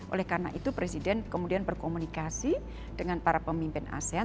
oleh karena itu presiden kemudian berkomunikasi dengan para pemimpin asean